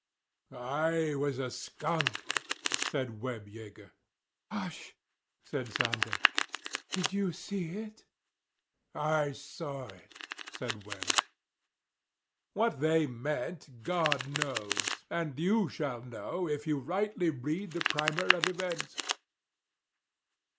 "I was a skunk," said Webb Yeager. "Hush," said Santa, "did you see it?" "I saw it," said Webb. What they meant God knows; and you shall know, if you rightly read the primer of events.